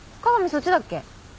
そっちだっけ？